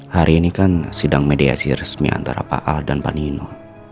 hari ini kan sidang mediasi resmi antara pak al dan pak nino